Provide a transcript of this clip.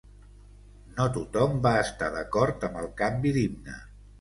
No tothom va estar d'acord amb el canvi d'himne.